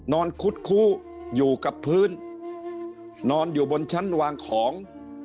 คุดคู้อยู่กับพื้นนอนอยู่บนชั้นวางของ